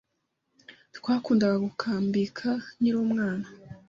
Twakundaga gukambika nkiri umwana.